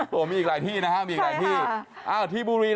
มีอีกหลายที่นะครับมีอีกหลายที่